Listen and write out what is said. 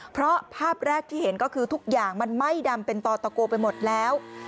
เพราะภาพแรกที่เห็นก็คือทุกอย่างมันไหม้ดำเป็นต่อตะโกไปหมดแล้ว